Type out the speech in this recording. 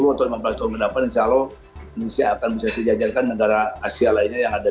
sepuluh atau lima belas tahun mendapatkan insya allah indonesia akan bisa sejajarkan negara asia lainnya yang ada